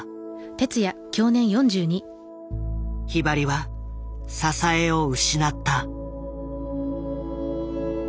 ひばりは支えを失った。